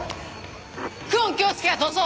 久遠京介が逃走！